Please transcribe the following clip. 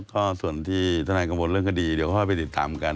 ก็ส่วนที่ทนายกังวลเรื่องคดีเดี๋ยวค่อยไปติดตามกัน